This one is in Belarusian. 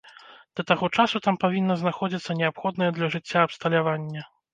Да таго часу там павінна знаходзіцца неабходнае для жыцця абсталяванне.